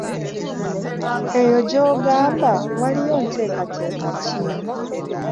Eyo gy'ogamba waliyo nteekateeka ki?